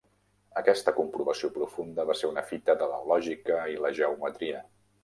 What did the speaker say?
Aquesta comprovació profunda va ser una fita de la lògica i la geometria.